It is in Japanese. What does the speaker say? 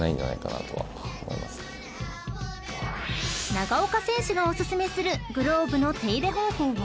［長岡選手がお薦めするグローブの手入れ方法は？］